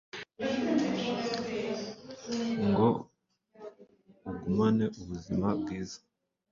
ngo ugumane ubuzima bwiza